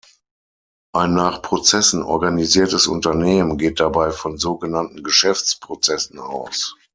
Ein nach Prozessen organisiertes Unternehmen geht dabei von so genannten Geschäftsprozessen aus.